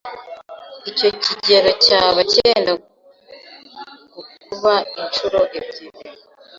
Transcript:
Icyo kigero cyaba cyenda gukuba inshuro ebyiri